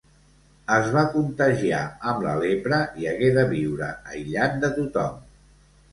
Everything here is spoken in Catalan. Es va contagiar amb la lepra i hagué de viure aïllat de tothom.